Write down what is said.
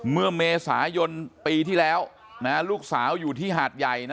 เมื่อเมษายนปีที่แล้วลูกสาวอยู่ที่หาดใหญ่นะ